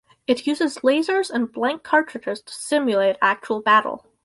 It uses lasers and blank cartridges to simulate actual battle.